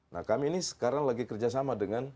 nah kami ini sekarang lagi kerjasama dengan